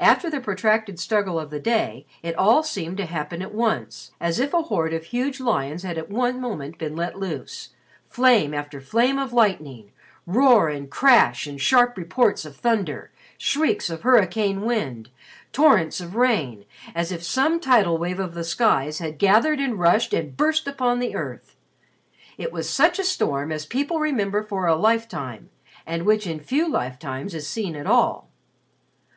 After the protracted struggle of the day it all seemed to happen at once, as if a horde of huge lions had at one moment been let loose: flame after flame of lightning, roar and crash and sharp reports of thunder, shrieks of hurricane wind, torrents of rain, as if some tidal wave of the skies had gathered and rushed and burst upon the earth. It was such a storm as people remember for a lifetime and which in few lifetimes is seen at all.